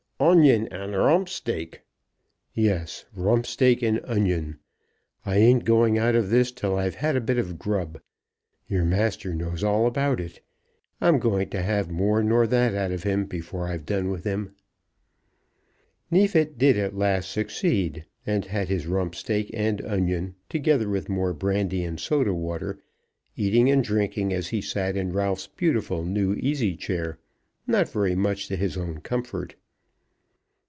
"Onion, and romp steak!" "Yes; rump steak and onion. I ain't going out of this till I've had a bit of grub. Your master knows all about it. I'm going to have more nor that out of him before I've done with him." Neefit did at last succeed, and had his rump steak and onion, together with more brandy and soda water, eating and drinking as he sat in Ralph's beautiful new easy chair, not very much to his own comfort.